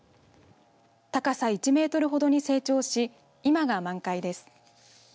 高さ１メートルほどに成長し今が満開です。